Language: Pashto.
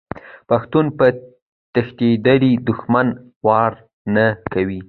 پښتون په تښتیدلي دښمن وار نه کوي.